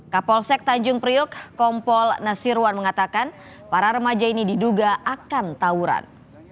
kapolsek tanjung priuk kompol nasirwan mengatakan para remaja ini diduga akan tawuran